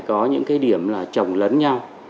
có những cái điểm là trồng lấn nhau